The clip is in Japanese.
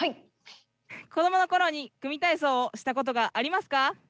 子供の頃に組体操をしたことがありますか？